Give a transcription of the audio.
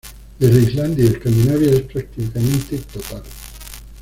Desde Islandia y Escandinavia es prácticamente total.